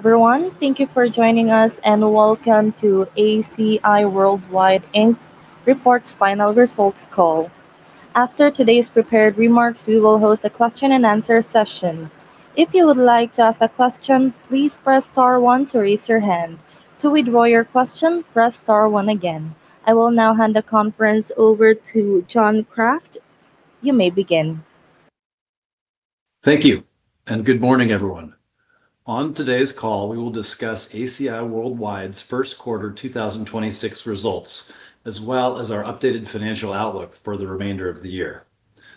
Hello, everyone. Thank you for joining us, and welcome to ACI Worldwide, Inc. Reports Final Results Call. After today's prepared remarks, we will host a question and answer session. If you would like to ask a question, please press star one to raise your hand. To withdraw your question, press star one again. I will now hand the conference over to John Kraft. You may begin. Thank you. Good morning, everyone. On today's call, we will discuss ACI Worldwide's Q1 2026 results, as well as our updated financial outlook for the remainder of the year.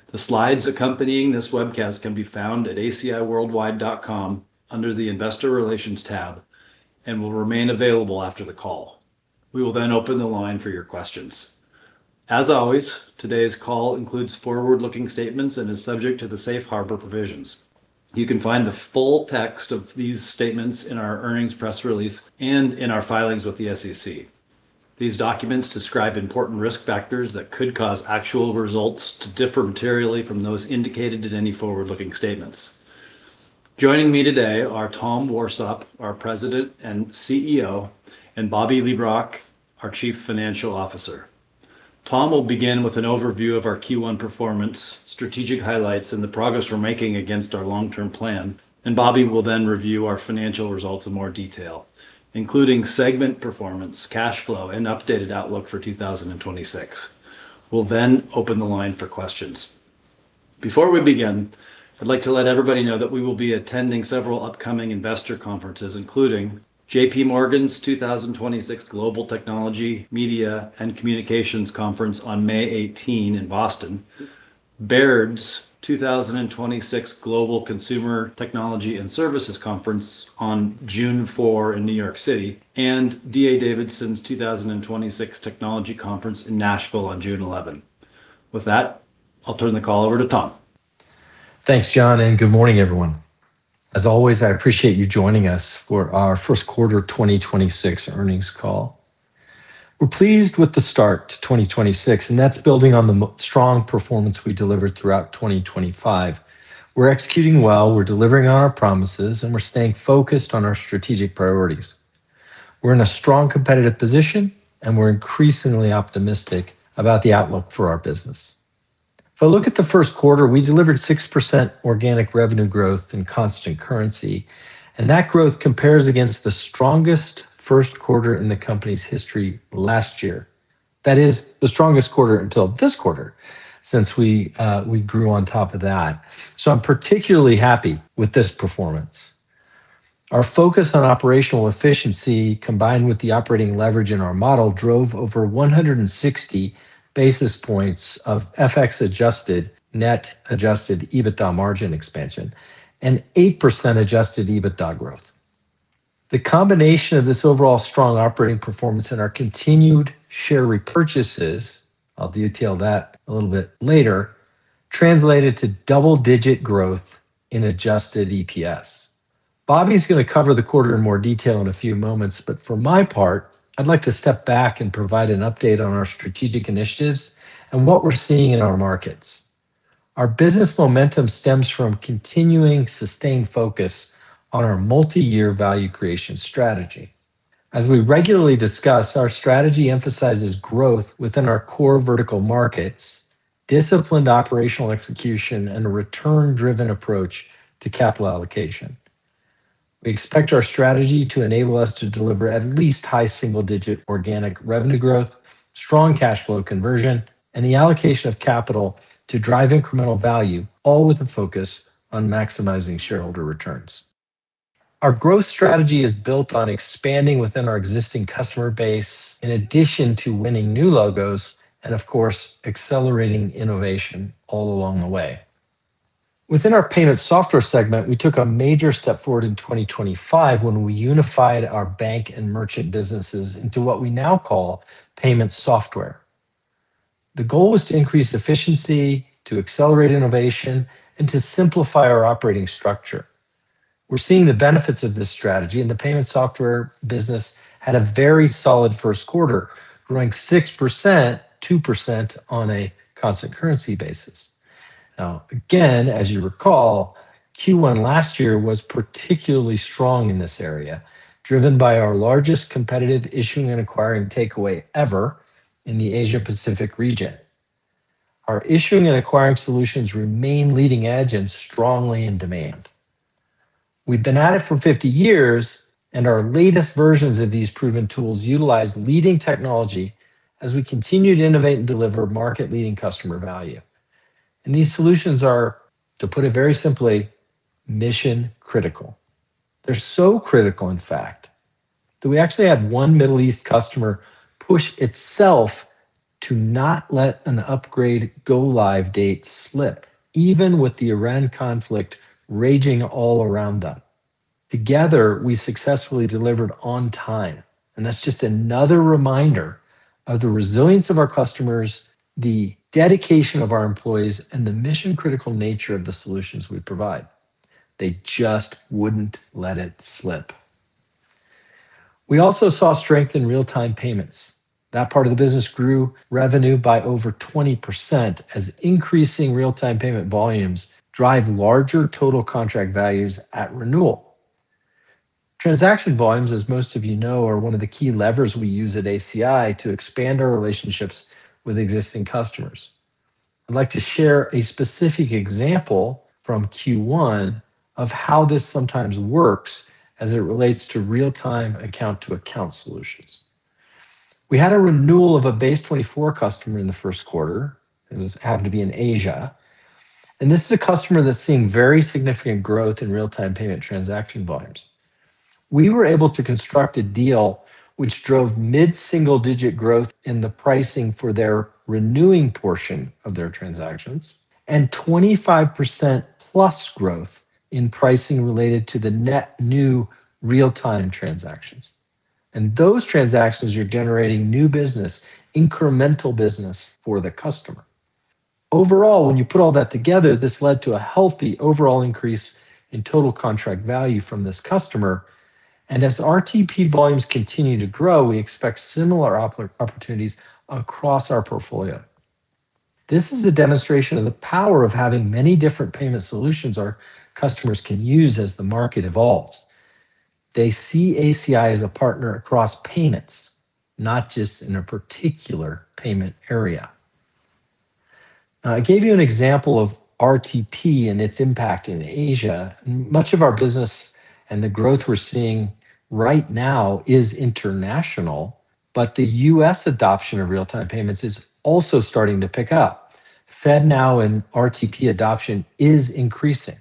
The slides accompanying this webcast can be found at aciworldwide.com under the Investor Relations tab and will remain available after the call. We will open the line for your questions. As always, today's call includes forward-looking statements and is subject to the safe harbor provisions. You can find the full text of these statements in our earnings press release and in our filings with the SEC. These documents describe important risk factors that could cause actual results to differ materially from those indicated at any forward-looking statements. Joining me today are Tom Warsop, our President and CEO, and Bobby Leibrock, our Chief Financial Officer. Tom will begin with an overview of our Q1 performance, strategic highlights, and the progress we're making against our long-term plan. Bobby will then review our financial results in more detail, including segment performance, cash flow, and updated outlook for 2026. We'll then open the line for questions. Before we begin, I'd like to let everybody know that we will be attending several upcoming investor conferences, including J.P. Morgan's 2026 Global Technology, Media, and Communications Conference on May 18th, 2026 in Boston, Baird's 2026 Global Consumer Technology and Services Conference on June 4th, 2026 in New York City, and D.A. Davidson's 2026 Technology Conference in Nashville on June 11th, 2026. With that, I'll turn the call over to Tom. Thanks, John. Good morning, everyone. As always, I appreciate you joining us for our Q1 2026 earnings call. We're pleased with the start to 2026, that's building on the strong performance we delivered throughout 2025. We're executing well, we're delivering on our promises, we're staying focused on our strategic priorities. We're in a strong competitive position, we're increasingly optimistic about the outlook for our business. If I look at the Q1, we delivered 6% organic revenue growth in constant currency, that growth compares against the strongest Q1 in the company's history last year. That is the strongest quarter until this quarter since we grew on top of that. I'm particularly happy with this performance. Our focus on operational efficiency, combined with the operating leverage in our model, drove over 160 basis points of FX adjusted, net adjusted EBITDA margin expansion and 8% adjusted EBITDA growth. The combination of this overall strong operating performance and our continued share repurchases, I'll detail that a little bit later, translated to double-digit growth in adjusted EPS. Bobby's gonna cover the quarter in more detail in a few moments, but for my part, I'd like to step back and provide an update on our strategic initiatives and what we're seeing in our markets. Our business momentum stems from continuing sustained focus on our multi-year value creation strategy. As we regularly discuss, our strategy emphasizes growth within our core vertical markets, disciplined operational execution, and a return-driven approach to capital allocation. We expect our strategy to enable us to deliver at least high single-digit organic revenue growth, strong cash flow conversion, and the allocation of capital to drive incremental value, all with a focus on maximizing shareholder returns. Our growth strategy is built on expanding within our existing customer base in addition to winning new logos and of course, accelerating innovation all along the way. Within our Payment Software segment, we took a major step forward in 2025 when we unified our bank and merchant businesses into what we now call Payment Software. The goal was to increase efficiency, to accelerate innovation, and to simplify our operating structure. We're seeing the benefits of this strategy, and the Payment Software business had a very solid Q1, growing 6%, 2% on a constant currency basis. Again, as you recall, Q1 last year was particularly strong in this area, driven by our largest competitive issuing and acquiring takeaway ever in the Asia Pacific region. Our issuing and acquiring solutions remain leading edge and strongly in demand. We've been at it for 50 years, our latest versions of these proven tools utilize leading technology as we continue to innovate and deliver market-leading customer value. These solutions are, to put it very simply, mission critical. They're so critical, in fact, that we actually had one Middle East customer push itself to not let an upgrade go live date slip, even with the Iran conflict raging all around them. Together, we successfully delivered on time, that's just another reminder of the resilience of our customers, the dedication of our employees, and the mission-critical nature of the solutions we provide. They just wouldn't let it slip. We also saw strength in real-time payments. That part of the business grew revenue by over 20% as increasing real-time payment volumes drive larger total contract values at renewal. Transaction volumes, as most of you know, are one of the key levers we use at ACI to expand our relationships with existing customers. I'd like to share a specific example from Q1 of how this sometimes works as it relates to real-time account-to-account solutions. We had a renewal of a BASE24 customer in the Q1. It was happened to be in Asia. This is a customer that's seeing very significant growth in real-time payment transaction volumes. We were able to construct a deal which drove mid-single-digit growth in the pricing for their renewing portion of their transactions and 25% plus growth in pricing related to the net new real-time transactions. Those transactions are generating new business, incremental business for the customer. Overall, when you put all that together, this led to a healthy overall increase in total contract value from this customer. As RTP volumes continue to grow, we expect similar opportunities across our portfolio. This is a demonstration of the power of having many different payment solutions our customers can use as the market evolves. They see ACI as a partner across payments, not just in a particular payment area. I gave you an example of RTP and its impact in Asia. Much of our business and the growth we're seeing right now is international, the U.S. adoption of real-time payments is also starting to pick up. FedNow and RTP adoption is increasing.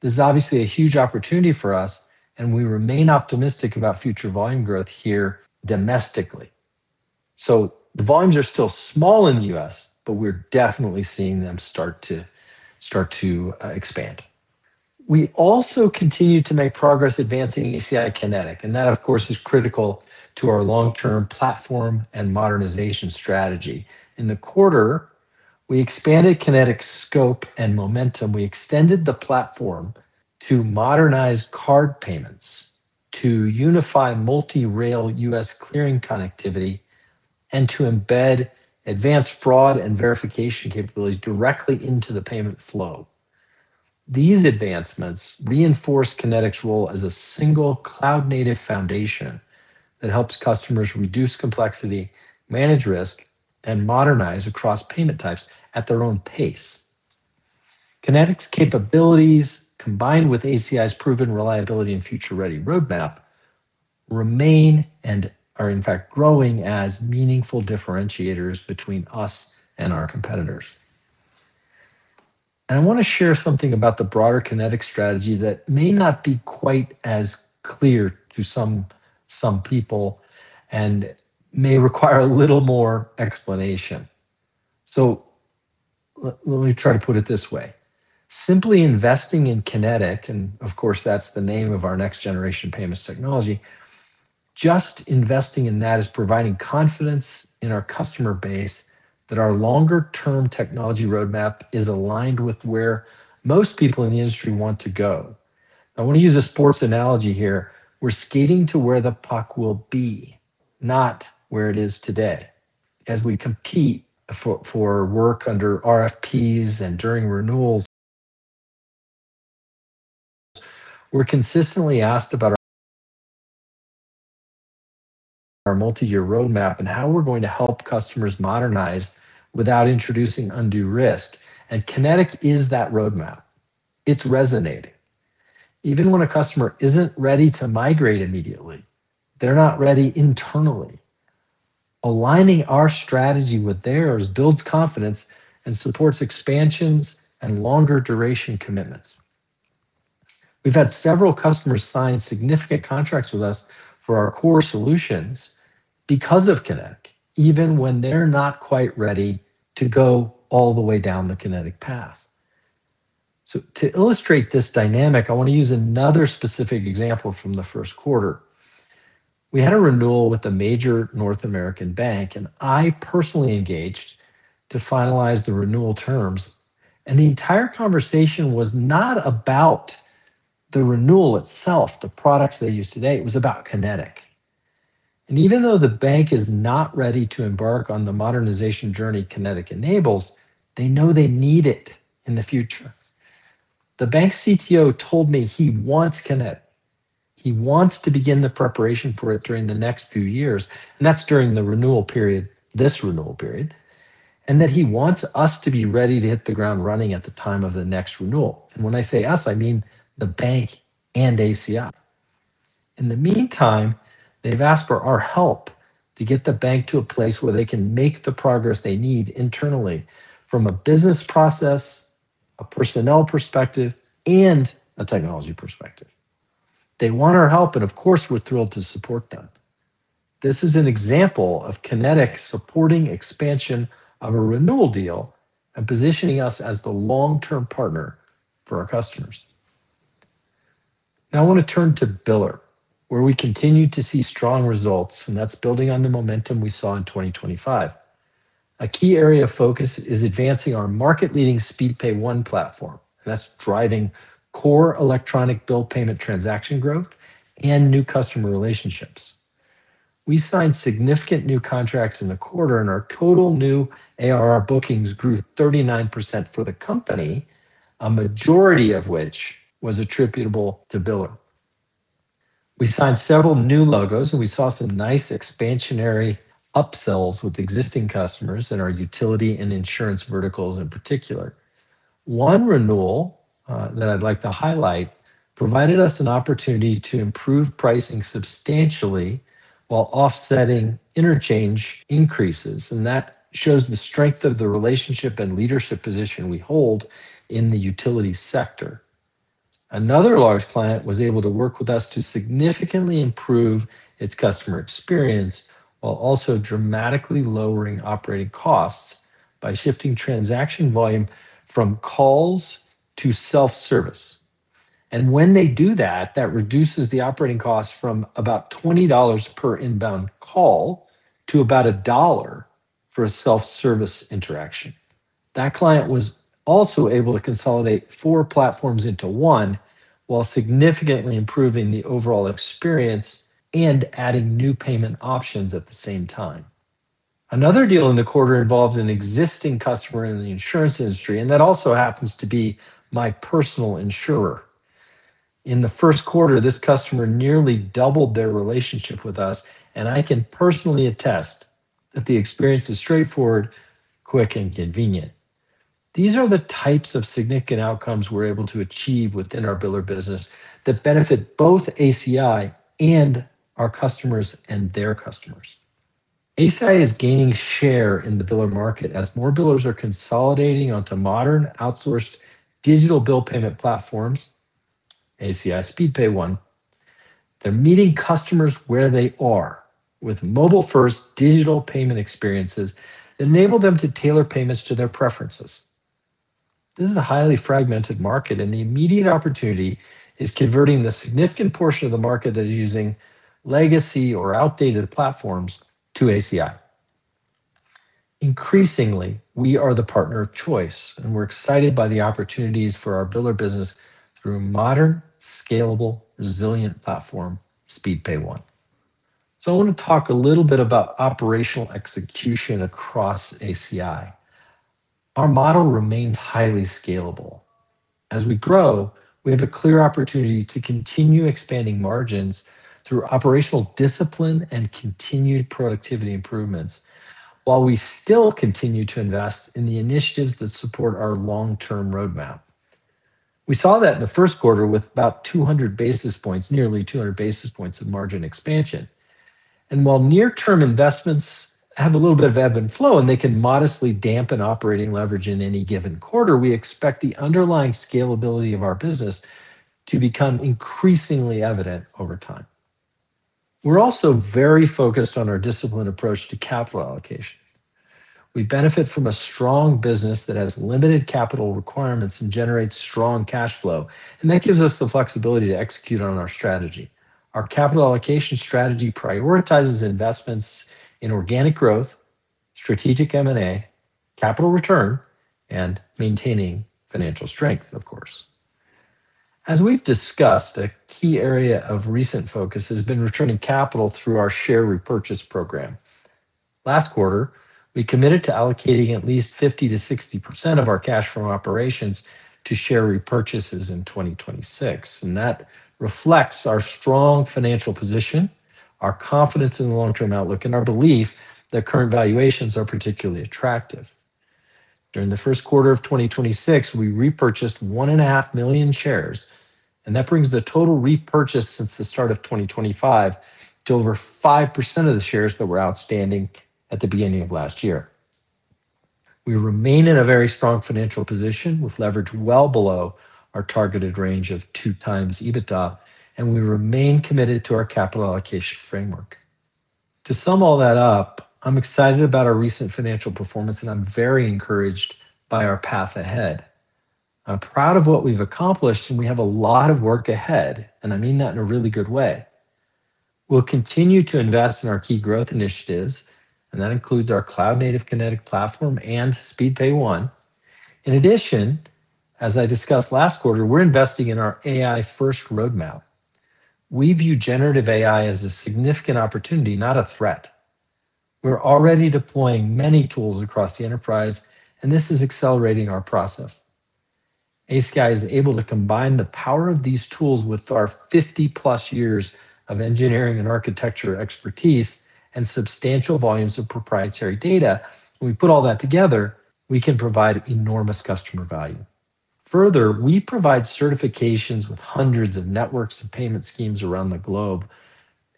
This is obviously a huge opportunity for us, and we remain optimistic about future volume growth here domestically. The volumes are still small in the U.S., but we're definitely seeing them start to expand. We also continue to make progress advancing ACI Connetic, and that of course, is critical to our long-term platform and modernization strategy. In the quarter, we expanded Connetic scope and momentum. We extended the platform to modernize card payments, to unify multi-rail U.S. clearing connectivity, and to embed advanced fraud and verification capabilities directly into the payment flow. These advancements reinforce Connetic's role as a single cloud-native foundation that helps customers reduce complexity, manage risk, and modernize across payment types at their own pace. Connetic's capabilities combined with ACI's proven reliability and future-ready roadmap remain and are in fact growing as meaningful differentiators between us and our competitors. I wanna share something about the broader Connetic strategy that may not be quite as clear to some people and may require a little more explanation. Let me try to put it this way. Simply investing in Connetic, and of course, that's the name of our next-generation payments technology, just investing in that is providing confidence in our customer base that our longer-term technology roadmap is aligned with where most people in the industry want to go. I wanna use a sports analogy here. We're skating to where the puck will be, not where it is today. As we compete for work under RFPs and during renewals, we're consistently asked about our multi-year roadmap and how we're going to help customers modernize without introducing undue risk. Connetic is that roadmap. It's resonating. Even when a customer isn't ready to migrate immediately, they're not ready internally. Aligning our strategy with theirs builds confidence and supports expansions and longer duration commitments. We've had several customers sign significant contracts with us for our core solutions because of Connetic, even when they're not quite ready to go all the way down the Connetic path. To illustrate this dynamic, I wanna use another specific example from the Q1. We had a renewal with a major North American bank, and I personally engaged to finalize the renewal terms, and the entire conversation was not about the renewal itself, the products they use today. It was about Connetic. Even though the bank is not ready to embark on the modernization journey Connetic enables, they know they need it in the future. The bank's CTO told me he wants Connetic. He wants to begin the preparation for it during the next few years, and that's during the renewal period, this renewal period, and that he wants us to be ready to hit the ground running at the time of the next renewal. When I say us, I mean the bank and ACI. In the meantime, they've asked for our help to get the bank to a place where they can make the progress they need internally from a business process, a personnel perspective, and a technology perspective. They want our help, and of course, we're thrilled to support them. This is an example of Connetic supporting expansion of a renewal deal and positioning us as the long-term partner for our customers. Now I wanna turn to Biller, where we continue to see strong results, and that's building on the momentum we saw in 2025. A key area of focus is advancing our market-leading Speedpay One platform. That's driving core electronic bill payment transaction growth and new customer relationships. We signed significant new contracts in the quarter, and our total new ARR bookings grew 39% for the company, a majority of which was attributable to Biller. We signed several new logos, and we saw some nice expansionary upsells with existing customers in our utility and insurance verticals in particular. 1 renewal that I'd like to highlight provided us an opportunity to improve pricing substantially while offsetting interchange increases, and that shows the strength of the relationship and leadership position we hold in the utility sector. Another large client was able to work with us to significantly improve its customer experience while also dramatically lowering operating costs by shifting transaction volume from calls to self-service. When they do that reduces the operating cost from about $20 per inbound call to about $1 for a self-service interaction. That client was also able to consolidate four platforms into one while significantly improving the overall experience and adding new payment options at the same time. Another deal in the quarter involved an existing customer in the insurance industry. That also happens to be my personal insurer. In the Q1, this customer nearly doubled their relationship with us. I can personally attest that the experience is straightforward, quick, and convenient. These are the types of significant outcomes we're able to achieve within our Biller business that benefit both ACI and our customers and their customers. ACI is gaining share in the Biller market as more Billers are consolidating onto modern outsourced digital bill payment platforms, ACI Speedpay One. They're meeting customers where they are with mobile-first digital payment experiences enable them to tailor payments to their preferences. This is a highly fragmented market. The immediate opportunity is converting the significant portion of the market that is using legacy or outdated platforms to ACI. Increasingly, we are the partner of choice, and we're excited by the opportunities for our Biller business through modern, scalable, resilient platform Speedpay One. I wanna talk a little bit about operational execution across ACI. Our model remains highly scalable. As we grow, we have a clear opportunity to continue expanding margins through operational discipline and continued productivity improvements while we still continue to invest in the initiatives that support our long-term roadmap. We saw that in the Q1 with about 200 basis points, nearly 200 basis points of margin expansion. While near-term investments have a little bit of ebb and flow, and they can modestly dampen operating leverage in any given quarter, we expect the underlying scalability of our business to become increasingly evident over time. We're also very focused on our disciplined approach to capital allocation. We benefit from a strong business that has limited capital requirements and generates strong cash flow, and that gives us the flexibility to execute on our strategy. Our capital allocation strategy prioritizes investments in organic growth, strategic M&A, capital return, and maintaining financial strength, of course. As we've discussed, a key area of recent focus has been returning capital through our share repurchase program. Last quarter, we committed to allocating at least 50%-60% of our cash from operations to share repurchases in 2026, and that reflects our strong financial position, our confidence in the long-term outlook, and our belief that current valuations are particularly attractive. During the Q1 of 2026, we repurchased one and a half million shares. That brings the total repurchase since the start of 2025 to over 5% of the shares that were outstanding at the beginning of last year. We remain in a very strong financial position with leverage well below our targeted range of two times EBITDA. We remain committed to our capital allocation framework. To sum all that up, I'm excited about our recent financial performance. I'm very encouraged by our path ahead. I'm proud of what we've accomplished. We have a lot of work ahead, I mean that in a really good way. We'll continue to invest in our key growth initiatives. That includes our cloud-native Connetic platform and Speedpay One. In addition, as I discussed last quarter, we're investing in our AI-first roadmap. We view generative AI as a significant opportunity, not a threat. We're already deploying many tools across the enterprise, and this is accelerating our process. ACI is able to combine the power of these tools with our 50-plus years of engineering and architecture expertise and substantial volumes of proprietary data. When we put all that together, we can provide enormous customer value. Further, we provide certifications with hundreds of networks and payment schemes around the globe,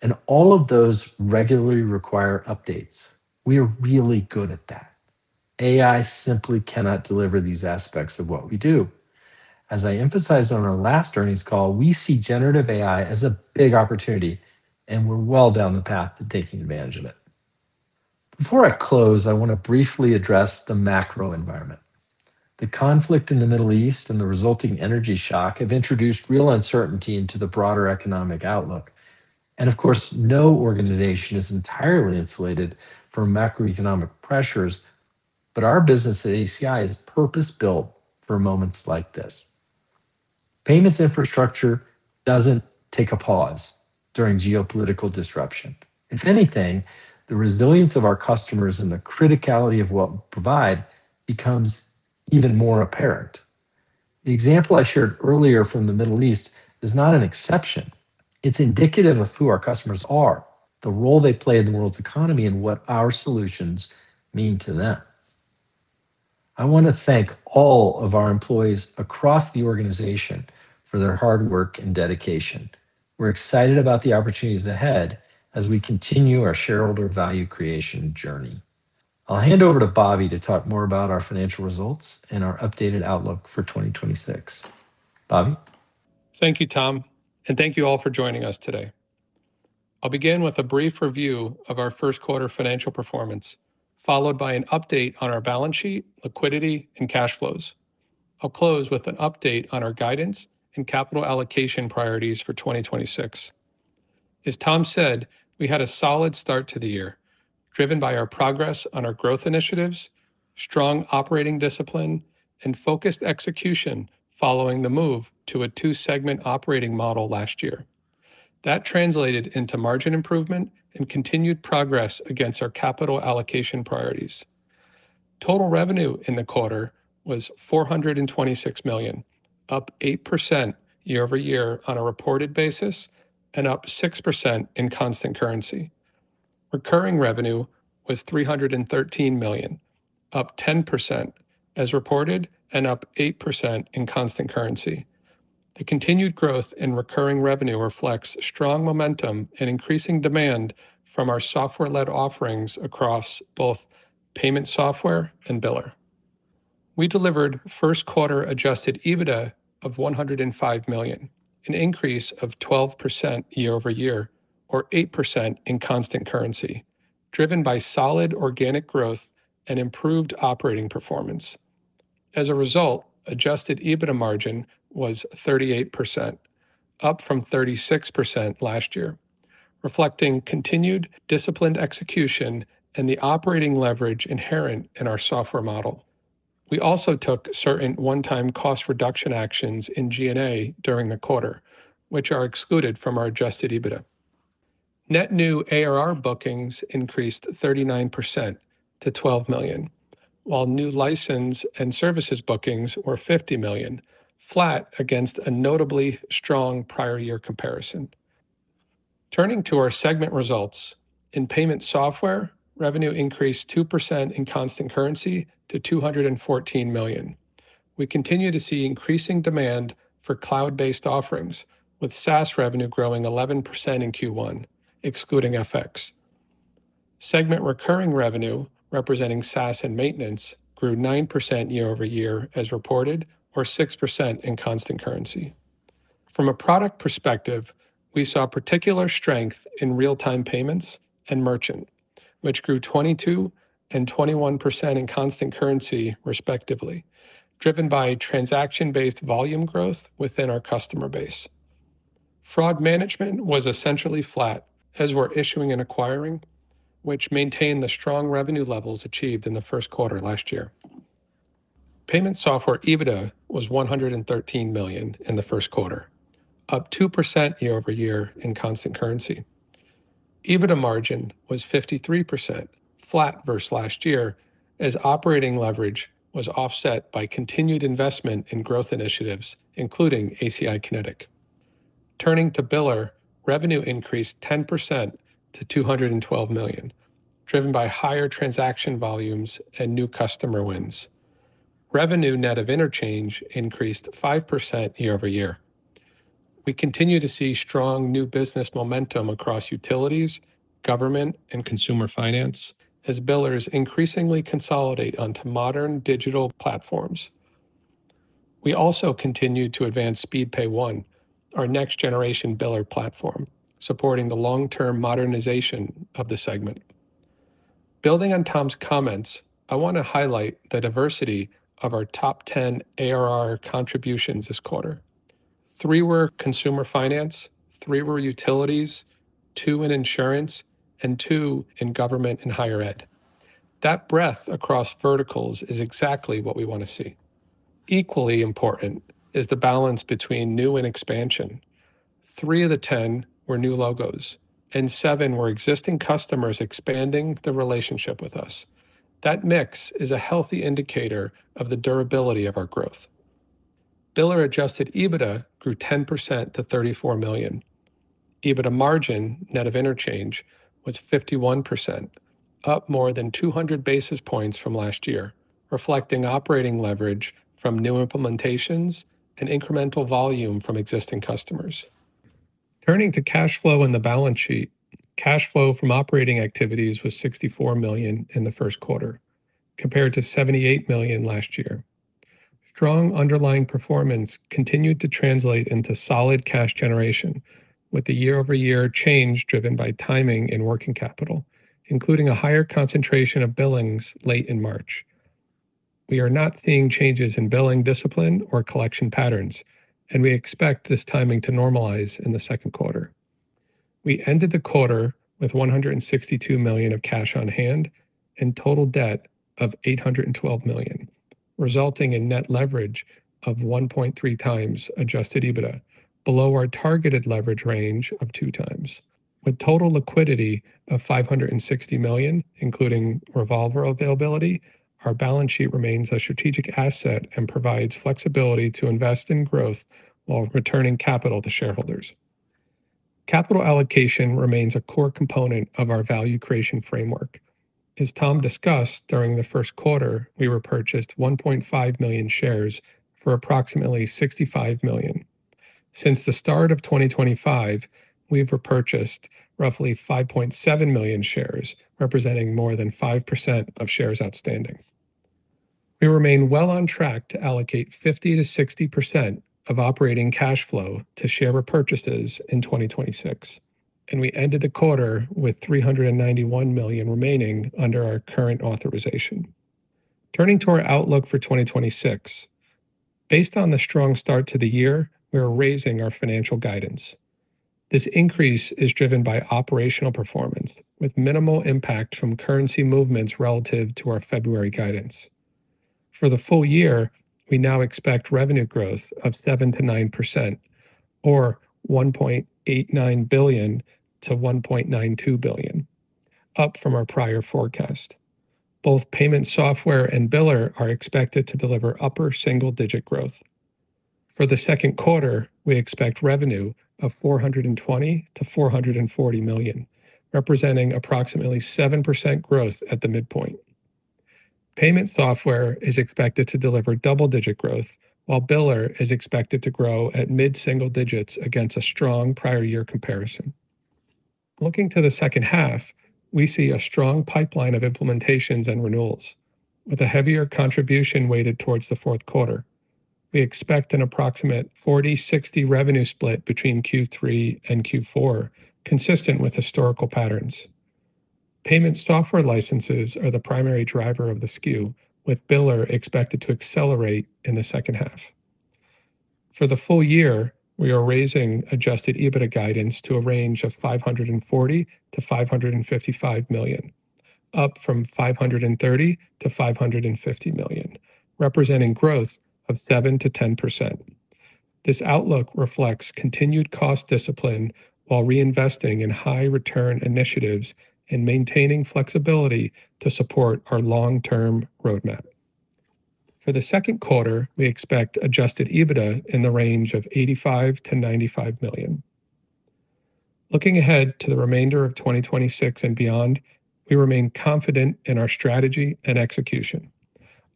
and all of those regularly require updates. We are really good at that. AI simply cannot deliver these aspects of what we do. As I emphasized on our last earnings call, we see generative AI as a big opportunity, and we're well down the path to taking advantage of it. Before I close, I want to briefly address the macro environment. The conflict in the Middle East and the resulting energy shock have introduced real uncertainty into the broader economic outlook. Of course, no organization is entirely insulated from macroeconomic pressures, but our business at ACI is purpose-built for moments like this. Payments infrastructure doesn't take a pause during geopolitical disruption. If anything, the resilience of our customers and the criticality of what we provide becomes even more apparent. The example I shared earlier from the Middle East is not an exception. It's indicative of who our customers are, the role they play in the world's economy, and what our solutions mean to them. I want to thank all of our employees across the organization for their hard work and dedication. We're excited about the opportunities ahead as we continue our shareholder value creation journey. I'll hand over to Bobby to talk more about our financial results and our updated outlook for 2026. Bobby? Thank you, Tom, and thank you all for joining us today. I'll begin with a brief review of our Q1 financial performance, followed by an update on our balance sheet, liquidity, and cash flows. I'll close with an update on our guidance and capital allocation priorities for 2026. As Tom said, we had a solid start to the year, driven by our progress on our growth initiatives, strong operating discipline, and focused execution following the move to a two-segment operating model last year. That translated into margin improvement and continued progress against our capital allocation priorities. Total revenue in the quarter was $426 million, up 8% year-over-year on a reported basis and up 6% in constant currency. Recurring revenue was $313 million, up 10% as reported and up 8% in constant currency. The continued growth in recurring revenue reflects strong momentum and increasing demand from our software-led offerings across both Payment Software and Biller. We delivered Q1 adjusted EBITDA of $105 million, an increase of 12% year-over-year or 8% in constant currency, driven by solid organic growth and improved operating performance. As a result, adjusted EBITDA margin was 38%, up from 36% last year, reflecting continued disciplined execution and the operating leverage inherent in our software model. We also took certain one-time cost reduction actions in G&A during the quarter, which are excluded from our adjusted EBITDA. Net new ARR bookings increased 39% to $12 million, while new license and services bookings were $50 million, flat against a notably strong prior year comparison. Turning to our segment results, in Payment Software, revenue increased 2% in constant currency to $214 million. We continue to see increasing demand for cloud-based offerings, with SaaS revenue growing 11% in Q1, excluding FX. Segment recurring revenue, representing SaaS and maintenance, grew 9% year-over-year as reported or 6% in constant currency. From a product perspective, we saw particular strength in real-time payments and merchant, which grew 22% and 21% in constant currency, respectively, driven by transaction-based volume growth within our customer base. Fraud management was essentially flat as were issuing and acquiring, which maintained the strong revenue levels achieved in the Q1 last year. Payment Software EBITDA was $113 million in the Q1, up 2% year-over-year in constant currency. EBITDA margin was 53%, flat versus last year, as operating leverage was offset by continued investment in growth initiatives, including ACI Connetic. Turning to Biller, revenue increased 10% to $212 million, driven by higher transaction volumes and new customer wins. Revenue net of interchange increased 5% year-over-year. We continue to see strong new business momentum across utilities, government, and consumer finance as Billers increasingly consolidate onto modern digital platforms. We also continue to advance ACI Speedpay, our next generation Biller platform, supporting the long-term modernization of the segment. Building on Tom's comments, I wanna highlight the diversity of our top 10 ARR contributions this quarter. Three were consumer finance, three were utilities, two in insurance, and two in government and higher ed. That breadth across verticals is exactly what we wanna see. Equally important is the balance between new and expansion. Three of the 10 were new logos. Seven were existing customers expanding the relationship with us. That mix is a healthy indicator of the durability of our growth. Biller adjusted EBITDA grew 10% to $34 million. EBITDA margin net of interchange was 51%, up more than 200 basis points from last year, reflecting operating leverage from new implementations and incremental volume from existing customers. Turning to cash flow and the balance sheet, cash flow from operating activities was $64 million in the Q1 compared to $78 million last year. Strong underlying performance continued to translate into solid cash generation with the year-over-year change driven by timing and working capital, including a higher concentration of billings late in March. We are not seeing changes in billing discipline or collection patterns. We expect this timing to normalize in the Q2. We ended the quarter with $162 million of cash on hand and total debt of $812 million, resulting in net leverage of 1.3 times adjusted EBITDA below our targeted leverage range of two times. With total liquidity of $560 million, including revolver availability, our balance sheet remains a strategic asset and provides flexibility to invest in growth while returning capital to shareholders. Capital allocation remains a core component of our value creation framework. As Tom discussed during the Q1, we repurchased 1.5 million shares for approximately $65 million. Since the start of 2025, we've repurchased roughly 5.7 million shares, representing more than 5% of shares outstanding. We remain well on track to allocate 50% to 60% of operating cash flow to share repurchases in 2026, and we ended the quarter with $391 million remaining under our current authorization. Turning to our outlook for 2026. Based on the strong start to the year, we are raising our financial guidance. This increase is driven by operational performance with minimal impact from currency movements relative to our February guidance. For the full year, we now expect revenue growth of 7% to 9% or $1.89 billion-$1.92 billion, up from our prior forecast. Both Payment Software and Biller are expected to deliver upper single-digit growth. For the Q2, we expect revenue of $420 million-$440 million, representing approximately 7% growth at the midpoint. Payment Software is expected to deliver double-digit growth while Biller is expected to grow at mid-single digits against a strong prior year comparison. Looking to the H2, we see a strong pipeline of implementations and renewals with a heavier contribution weighted towards the Q4. We expect an approximate 40/60 revenue split between Q3 and Q4, consistent with historical patterns. Payment Software licenses are the primary driver of the SKU, with Biller expected to accelerate in the H2. For the full year, we are raising adjusted EBITDA guidance to a range of $540 million-$555 million, up from $530 million-$550 million, representing growth of 7%-10%. This outlook reflects continued cost discipline while reinvesting in high return initiatives and maintaining flexibility to support our long-term roadmap. For the Q2, we expect adjusted EBITDA in the range of $85 million-$95 million. Looking ahead to the remainder of 2026 and beyond, we remain confident in our strategy and execution.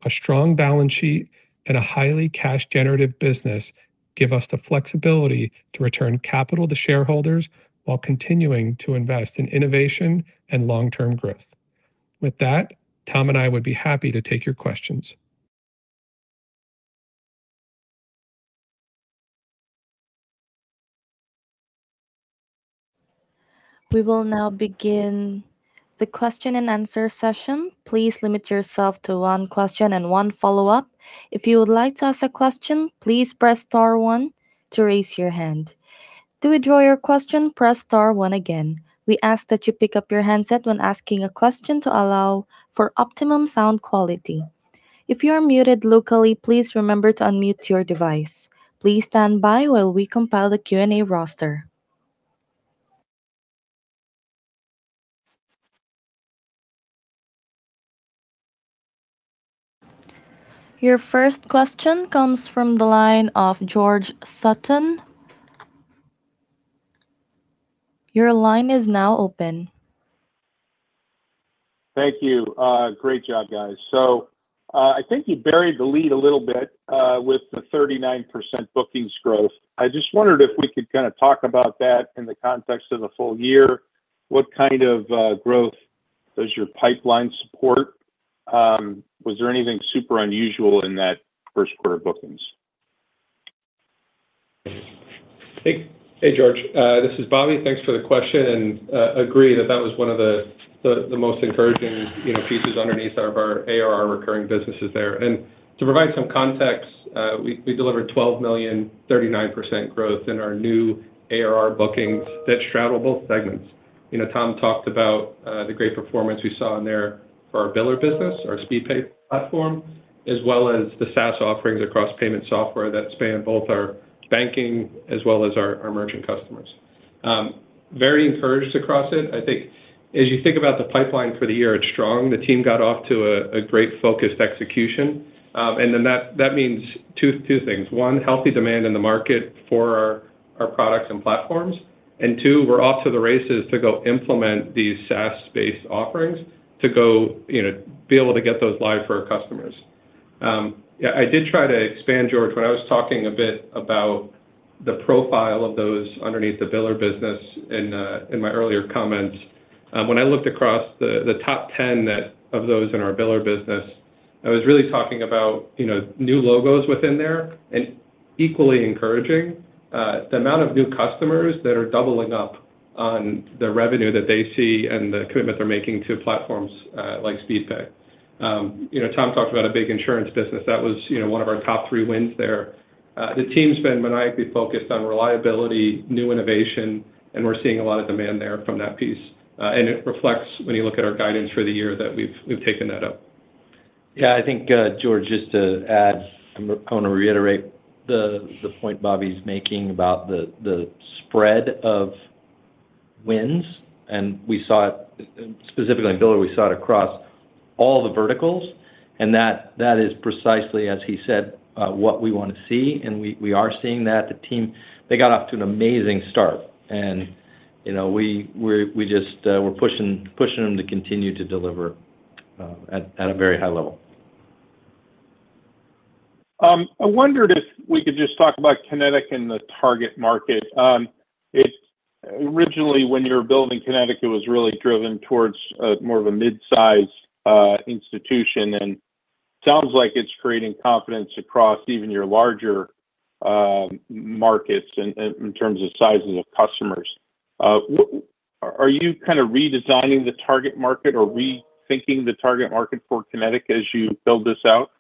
A strong balance sheet and a highly cash generative business give us the flexibility to return capital to shareholders while continuing to invest in innovation and long-term growth. With that, Tom and I would be happy to take your questions. We will now begin the question and answer session. Please limit yourself to one question and one follow-up. If you would like to ask a question, please press star one to raise your hand. To withdraw your question, press star one again. We ask that you pick up your handset when asking a question to allow for optimum sound quality. If you are muted locally, please remember to unmute your device. Please stand by while we compile the Q&A roster. Your first question comes from the line of George Sutton. Your line is now open. Thank you. Great job, guys. I think you buried the lead a little bit with the 39% bookings growth. I just wondered if we could kinda talk about that in the context of the full year. What kind of growth does your pipeline support? Was there anything super unusual in that Q1 bookings? Hey, hey George, this is Bobby. Thanks for the question. I agree that that was one of the most encouraging, you know, pieces underneath our ARR recurring businesses there. To provide some context, we delivered $12 million, 39% growth in our new ARR bookings that straddle both segments. You know, Tom talked about the great performance we saw in there for our Biller business, our Speedpay platform, as well as the SaaS offerings across Payment Software that span both our banking as well as our merchant customers. Very encouraged across it. I think as you think about the pipeline for the year, it's strong. The team got off to a great focused execution. That means two things. One, healthy demand in the market for our products and platforms. Two, we're off to the races to go implement these SaaS-based offerings to go, you know, be able to get those live for our customers. Yeah, I did try to expand George, when I was talking a bit about The profile of those underneath the Biller business in my earlier comments, when I looked across the top 10 net of those in our Biller business, I was really talking about, you know, new logos within there, and equally encouraging, the amount of new customers that are doubling up on the revenue that they see and the commitment they're making to platforms, like Speedpay. You know, Tom talked about a big insurance business. That was, you know, one of our top three wins there. The team's been maniacally focused on reliability, new innovation, and we're seeing a lot of demand there from that piece. It reflects when you look at our guidance for the year that we've taken that up. I think, George, just to add, I want to reiterate the point Bobby's making about the spread of wins, and we saw it specifically on Biller, we saw it across all the verticals, and that is precisely, as he said, what we want to see, and we are seeing that. The team, they got off to an amazing start and, you know, we just, we're pushing them to continue to deliver at a very high level. I wondered if we could just talk about Connetic and the target market. It originally, when you were building Connetic was really driven towards, more of a mid-size institution, and sounds like it's creating confidence across even your larger markets in terms of sizing of customers. Are you kind of redesigning the target market or rethinking the target market for Connetic as you build this out?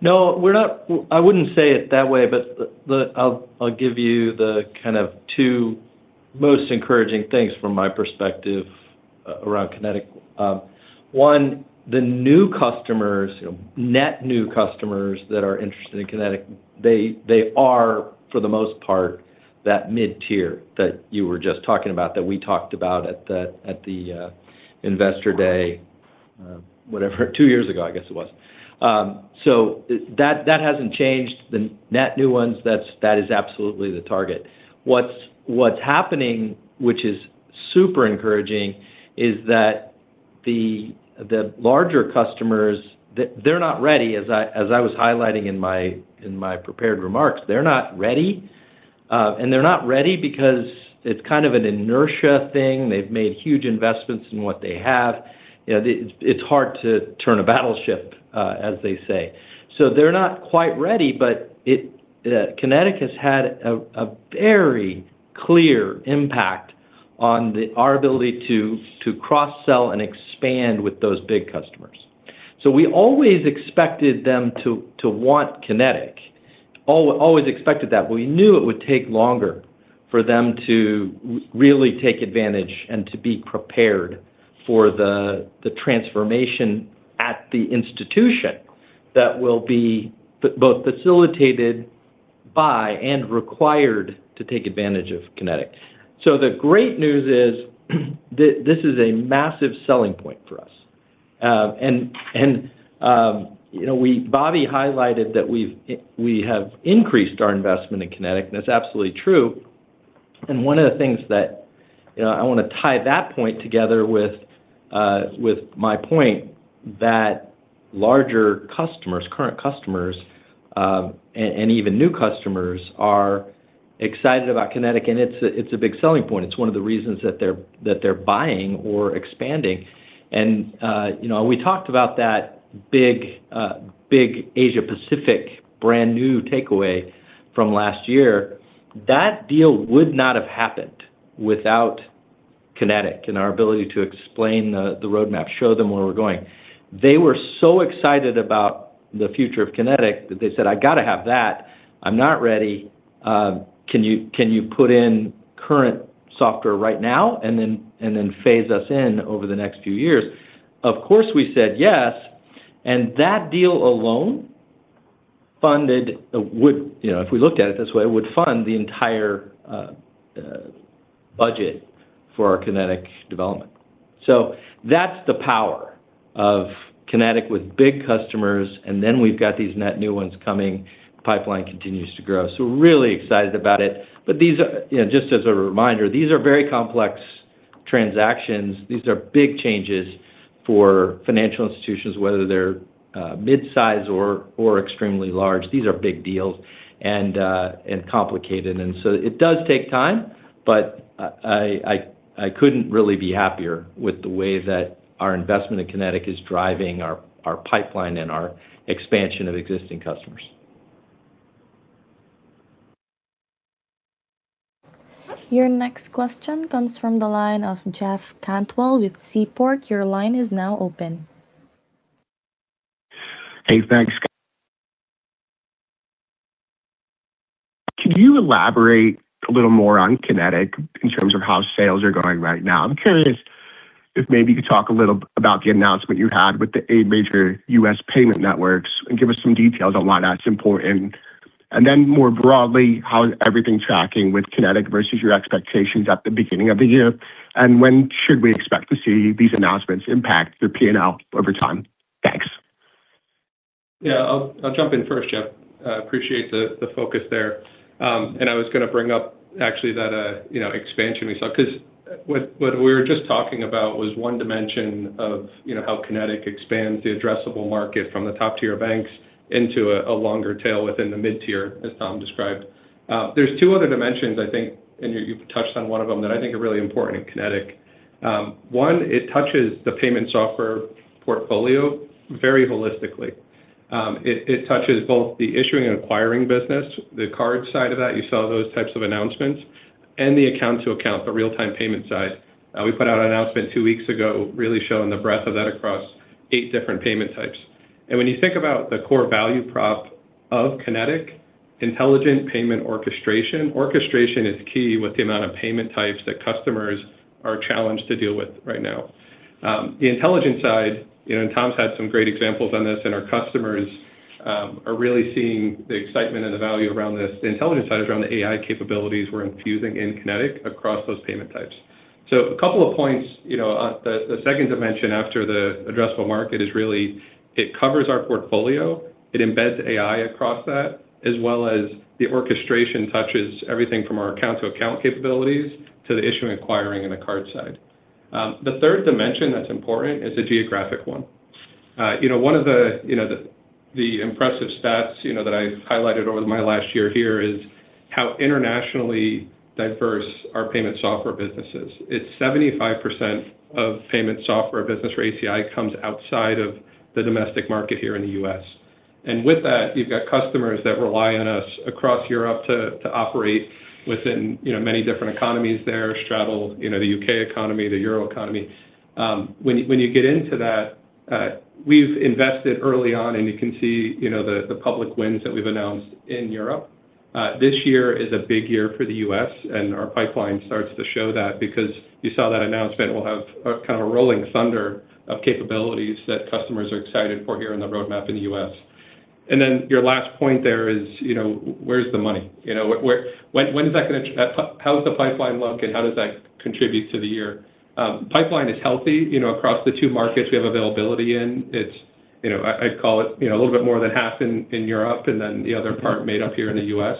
No, I wouldn't say it that way. I'll give you the kind of two most encouraging things from my perspective around Connetic. One, the new customers, net new customers that are interested in Connetic, they are for the most part that mid-tier that you were just talking about, that we talked about at the investor day, whatever, two years ago, I guess it was. That hasn't changed. The net new ones, that is absolutely the target. What's happening, which is super encouraging is that the larger customers, they're not ready as I was highlighting in my prepared remarks. They're not ready. They're not ready because it's kind of an inertia thing. They've made huge investments in what they have. You know, it's hard to turn a battleship, as they say. They're not quite ready, but Connetic has had a very clear impact on our ability to cross-sell and expand with those big customers. We always expected them to want Connetic. Always expected that, we knew it would take longer for them to really take advantage and to be prepared for the transformation at the institution that will be both facilitated by and required to take advantage of Connetic. The great news is this is a massive selling point for us. You know, Bobby Leibrock highlighted that we have increased our investment in Connetic, and that's absolutely true. One of the things that, you know, I want to tie that point together with my point that larger customers, current customers, and even new customers are excited about Connetic, and it's a big selling point. It's one of the reasons that they're buying or expanding. You know, we talked about that big Asia-Pacific brand new takeaway from last year. That deal would not have happened without Connetic and our ability to explain the roadmap, show them where we're going. They were so excited about the future of Connetic that they said, "I got to have that. I'm not ready. Can you put in current software right now and then phase us in over the next few years?" Of course, we said yes. That deal alone, you know, if we looked at it this way, would fund the entire budget for our Connetic development. That's the power of Connetic with big customers, and then we've got these net new ones coming. Pipeline continues to grow. We're really excited about it. These are, you know, just as a reminder, these are very complex transactions. These are big changes for financial institutions, whether they're mid-size or extremely large. These are big deals and complicated. It does take time, but I couldn't really be happier with the way that our investment in Connetic is driving our pipeline and our expansion of existing customers. Your next question comes from the line of Jeff Cantwell with Seaport. Your line is now open. Hey, thanks. Could you elaborate a little more on Connetic in terms of how sales are going right now? I'm curious if maybe you could talk a little about the announcement you had with the eight major U.S. payment networks and give us some details on why that's important. More broadly, how is everything tracking with Connetic versus your expectations at the beginning of the year, and when should we expect to see these announcements impact your P&L over time? Thanks. Yeah. I'll jump in first, Jeff. I appreciate the focus there. I was going to bring up actually that, you know, expansion we saw 'cause what we were just talking about was 1 dimension of, you know, how Connetic expands the addressable market from the top-tier banks into a longer tail within the mid-tier, as Thomas described. There's two other dimensions, I think, and you've touched on 1 of them that I think are really important in Connetic. One, it touches the Payment Software portfolio very holistically. It touches both the issuing and acquiring business, the card side of that, you saw those types of announcements, and the account to account, the real-time payment side. We put out an announcement two weeks ago really showing the breadth of that across eight different payment types. When you think about the core value prop of Connetic, intelligent payment orchestration. Orchestration is key with the amount of payment types that customers are challenged to deal with right now. The intelligence side, you know, and Tom's had some great examples on this, and our customers are really seeing the excitement and the value around this. The intelligence side is around the AI capabilities we're infusing in Connetic across those payment types. A couple of points, you know, the second dimension after the addressable market is really it covers our portfolio, it embeds AI across that, as well as the orchestration touches everything from our account-to-account capabilities to the issuing, acquiring, and the card side. The third dimension that's important is the geographic one. You know, one of the, you know, the impressive stats, you know, that I've highlighted over my last year here is how internationally diverse our Payment Software business is. It's 75% of Payment Software business for ACI comes outside of the domestic market here in the U.S. With that, you've got customers that rely on us across Europe to operate within, you know, many different economies there, straddle, you know, the U.K. economy, the Euro economy. When, when you get into that, we've invested early on, and you can see, you know, the public wins that we've announced in Europe. This year is a big year for the U.S., our pipeline starts to show that because you saw that announcement, we'll have a kind of a rolling thunder of capabilities that customers are excited for here on the roadmap in the U.S. Your last point there is, you know, where's the money? You know, where, how does the pipeline look, and how does that contribute to the year? Pipeline is healthy, you know, across the two markets we have availability in. It's, you know, I'd call it, you know, a little bit more than half in Europe, the other part made up here in the U.S.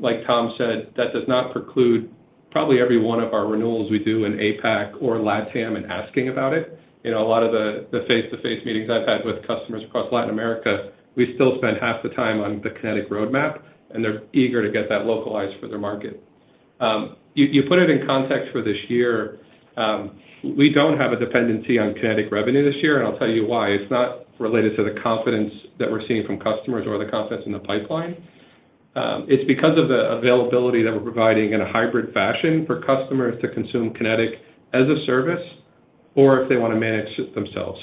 Like Tom said, that does not preclude probably every one of our renewals we do in APAC or LatAm in asking about it. You know, a lot of the face-to-face meetings I've had with customers across Latin America, we still spend half the time on the Connetic roadmap, and they're eager to get that localized for their market. You, you put it in context for this year, we don't have a dependency on Connetic revenue this year, and I'll tell you why. It's not related to the confidence that we're seeing from customers or the confidence in the pipeline. It's because of the availability that we're providing in a hybrid fashion for customers to consume Connetic as a service or if they wanna manage it themselves.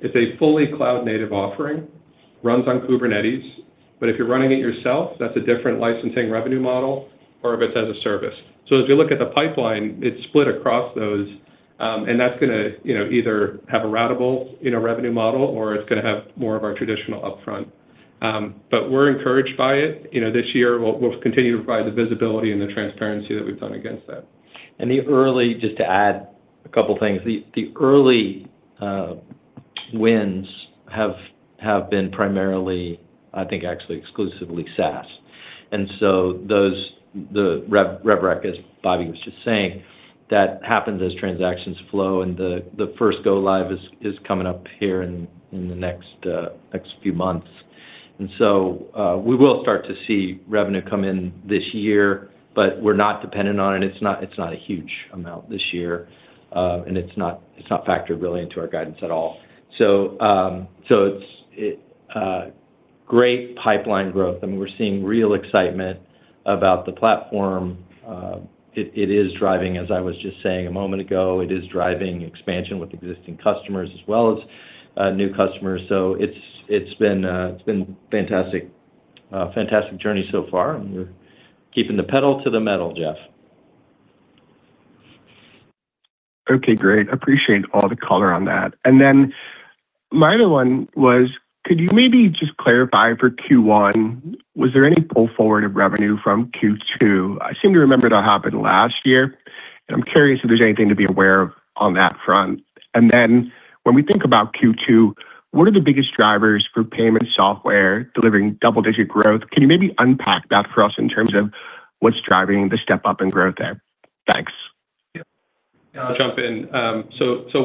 It's a fully cloud-native offering, runs on Kubernetes, but if you're running it yourself, that's a different licensing revenue model or if it's as a service. As you look at the pipeline, it's split across those, that's gonna, you know, either have a ratable, you know, revenue model or it's gonna have more of our traditional upfront. We're encouraged by it. You know, this year we'll continue to provide the visibility and the transparency that we've done against that. The early, just to add a couple things, the early wins have been primarily, I think actually exclusively SaaS. Those, the rev rec, as Bobby was just saying, that happens as transactions flow, and the first go live is coming up here in the next few months. We will start to see revenue come in this year, but we're not dependent on it. It's not a huge amount this year, and it's not factored really into our guidance at all. It's great pipeline growth. I mean, we're seeing real excitement about the platform. It is driving, as I was just saying a moment ago, it is driving expansion with existing customers as well as new customers. It's been fantastic, a fantastic journey so far, and we're keeping the pedal to the metal, Jeff. Okay, great. Appreciate all the color on that. Then my other one was, could you maybe just clarify for Q1, was there any pull forward of revenue from Q2? I seem to remember that happened last year, and I'm curious if there's anything to be aware of on that front. Then when we think about Q2, what are the biggest drivers for Payment Software delivering double-digit growth? Can you maybe unpack that for us in terms of what's driving the step up in growth there? Thanks. Yeah. I'll jump in.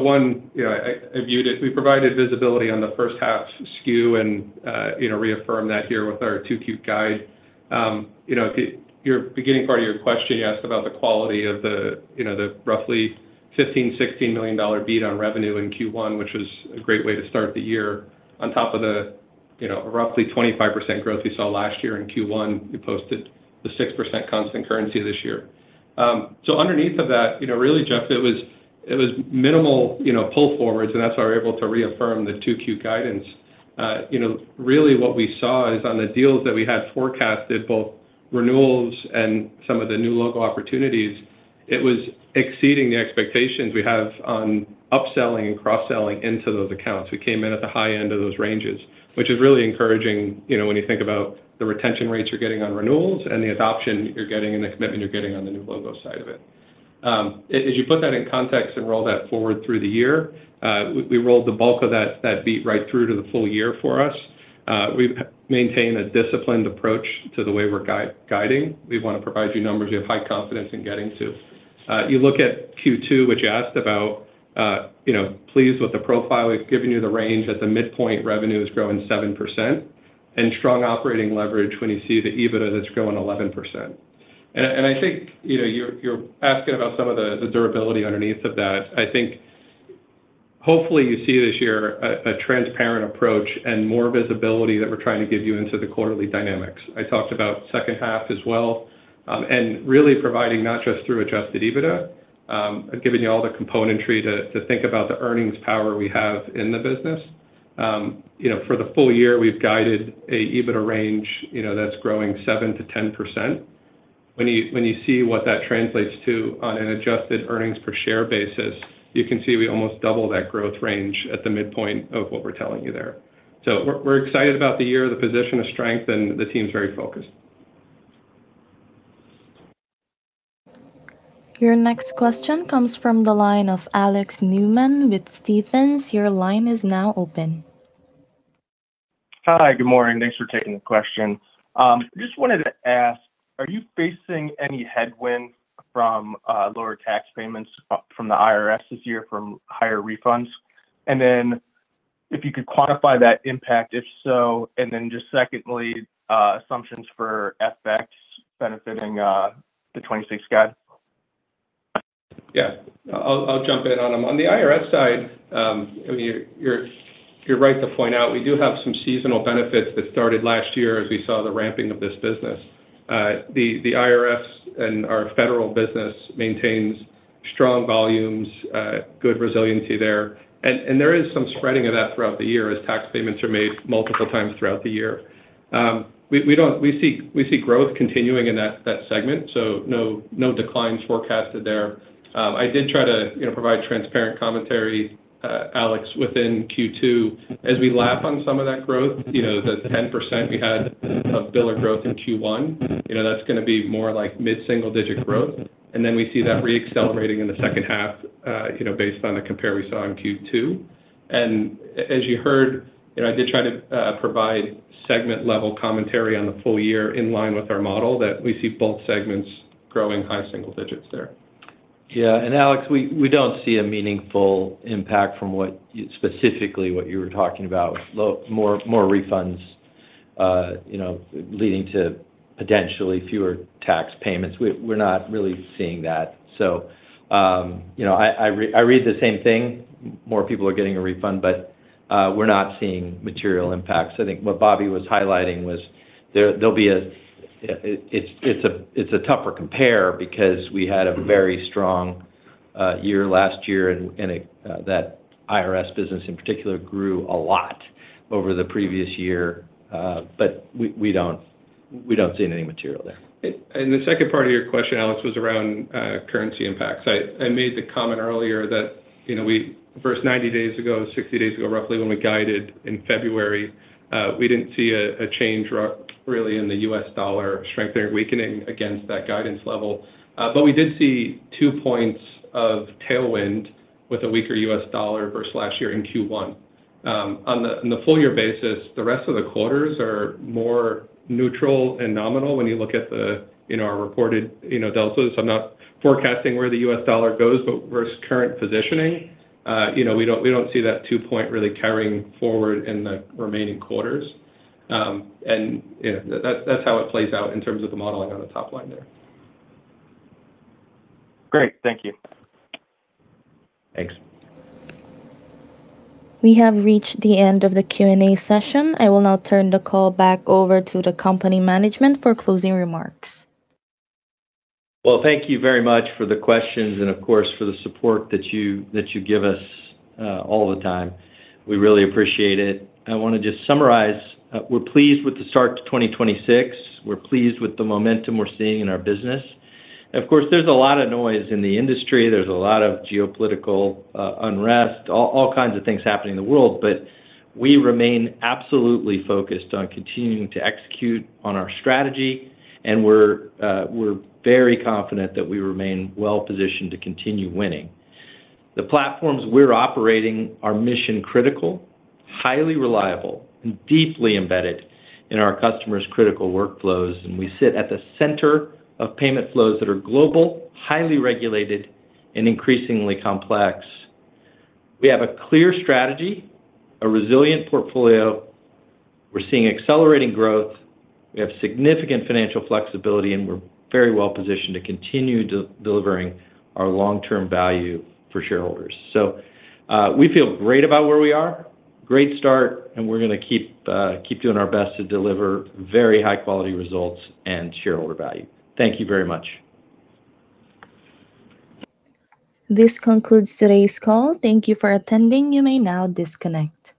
One, you know, I viewed it. We provided visibility on the H1 skew and, you know, reaffirmed that here with our Q2 guide. You know, the, your beginning part of your question, you asked about the quality of the, you know, the roughly $15 million, $16 million beat on revenue in Q1, which was a great way to start the year. On top of the, you know, roughly 25% growth we saw last year in Q1, we posted the 6% constant currency this year. Underneath of that, you know, really, Jeff, it was, it was minimal, you know, pull forwards, and that's why we're able to reaffirm the Q2 guidance. You know, really what we saw is on the deals that we had forecasted, both renewals and some of the new local opportunities, it was exceeding the expectations we have on upselling and cross-selling into those accounts. We came in at the high end of those ranges, which is really encouraging, you know, when you think about the retention rates you're getting on renewals and the adoption you're getting and the commitment you're getting on the new logo side of it. As you put that in context and roll that forward through the year, we rolled the bulk of that beat right through to the full year for us. We've maintained a disciplined approach to the way we're guiding. We wanna provide you numbers we have high confidence in getting to. You look at Q2, which you asked about, you know, pleased with the profile. We've given you the range. At the midpoint, revenue is growing 7%. Strong operating leverage when you see the EBITDA that's growing 11%. I think, you know, you're asking about some of the durability underneath of that. I think hopefully you see this year a transparent approach and more visibility that we're trying to give you into the quarterly dynamics. I talked about H2 as well, really providing, not just through adjusted EBITDA, giving you all the componentry to think about the earnings power we have in the business. You know, for the full year, we've guided a EBITDA range, you know, that's growing 7%-10%. When you, when you see what that translates to on an adjusted earnings per share basis, you can see we almost double that growth range at the midpoint of what we're telling you there. We're, we're excited about the year, the position of strength, and the team's very focused. Your next question comes from the line of Alex Neumann with Stephens. Hi. Good morning. Thanks for taking the question. Just wanted to ask, are you facing any headwind from lower tax payments from the IRS this year from higher refunds? If you could quantify that impact, if so. Just secondly, assumptions for FX benefiting the 2026 guide. Yeah. I'll jump in on them. On the IRS side, I mean, you're right to point out we do have some seasonal benefits that started last year as we saw the ramping of this business. The IRS and our federal business maintains strong volumes, good resiliency there, and there is some spreading of that throughout the year as tax payments are made multiple times throughout the year. We see growth continuing in that segment, so no declines forecasted there. I did try to, you know, provide transparent commentary, Alex, within Q2. As we lap on some of that growth, you know, the 10% we had of Biller growth in Q1, you know, that's gonna be more like mid-single digit growth. We see that re-accelerating in the H2, you know, based on the compare we saw in Q2. As you heard, you know, I did try to provide segment-level commentary on the full year in line with our model that we see both segments growing high single digits there. Yeah. Alex, we don't see a meaningful impact from specifically what you were talking about. More refunds, you know, leading to potentially fewer tax payments. We're not really seeing that. You know, I read the same thing. More people are getting a refund, we're not seeing material impacts. I think what Bobby was highlighting was there'll be a It's a tougher compare because we had a very strong year last year, and it, that IRS business in particular grew a lot over the previous year. We don't see anything material there. The second part of your question, Alex, was around currency impacts. I made the comment earlier that, you know, we First 90 days ago, 60 days ago, roughly when we guided in February, we didn't see a change really in the U.S. dollar strengthening or weakening against that guidance level. We did see two points of tailwind with a weaker U.S. dollar versus last year in Q1. On the full year basis, the rest of the quarters are more neutral and nominal when you look at the, you know, our reported, you know, deltas. I'm not forecasting where the U.S. dollar goes, but versus current positioning, you know, we don't see that two-point really carrying forward in the remaining quarters. Yeah, that's how it plays out in terms of the modeling on the top line there. Great. Thank you. Thanks. We have reached the end of the Q&A session. I will now turn the call back over to the company management for closing remarks. Well, thank you very much for the questions and, of course, for the support that you give us all the time. We really appreciate it. I wanna just summarize. We're pleased with the start to 2026. We're pleased with the momentum we're seeing in our business. Of course, there's a lot of noise in the industry. There's a lot of geopolitical unrest, all kinds of things happening in the world. We remain absolutely focused on continuing to execute on our strategy, and we're very confident that we remain well-positioned to continue winning. The platforms we're operating are mission-critical, highly reliable, and deeply embedded in our customers' critical workflows, and we sit at the center of payment flows that are global, highly regulated, and increasingly complex. We have a clear strategy, a resilient portfolio. We're seeing accelerating growth. We have significant financial flexibility, and we're very well-positioned to continue delivering our long-term value for shareholders. We feel great about where we are. Great start, and we're gonna keep doing our best to deliver very high-quality results and shareholder value. Thank you very much. This concludes today's call. Thank you for attending. You may now disconnect.